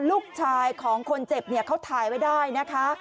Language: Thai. ลูกชายของคนเจ็บเนี่ยเขาถ่ายไว้ได้นะคะ